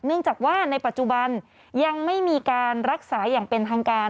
เนื่องจากว่าในปัจจุบันยังไม่มีการรักษาอย่างเป็นทางการ